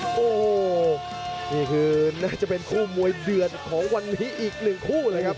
โอ้โหนี่คือน่าจะเป็นคู่มวยเดือดของวันนี้อีกหนึ่งคู่เลยครับ